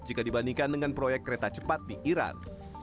jika dibandingkan dengan proyek kereta cepat di iran